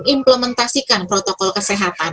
implementasikan protokol kesehatan